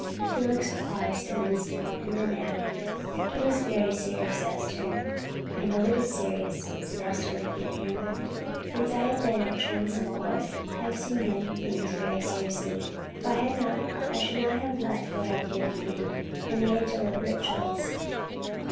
Felix paused an instant, and then added "It is very serious, Esther." "I know it is serious," said Esther, looking up at him. "Since I have been at Transome Court I have seen many things very seriously. If I had not, I should not have left what I did leave. I made a deliberate choice."